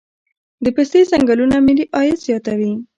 د پستې ځنګلونه ملي عاید زیاتوي